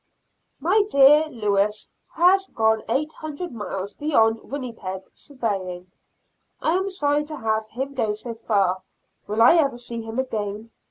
My dear Lewis has gone eight hundred miles beyond Winnipeg surveying. I am sorry to have him go so far. Will I ever see him again?